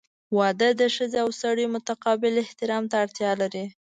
• واده د ښځې او سړي متقابل احترام ته اړتیا لري.